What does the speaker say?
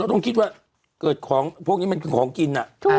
เราต้องคิดว่าเติดของพวกนี้เป็นของกินน่ะ